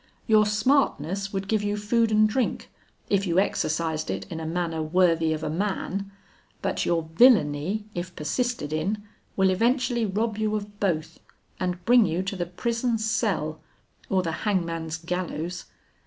Your smartness would give you food and drink, if you exercised it in a manner worthy of a man, but your villainy if persisted in, will eventually rob you of both, and bring you to the prison's cell or the hangman's gallows.